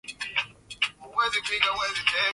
Homa kali ni dalili muhimu ya ugonjwa wa ndigana kali